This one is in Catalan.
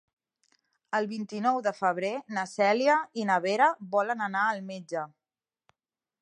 El vint-i-nou de febrer na Cèlia i na Vera volen anar al metge.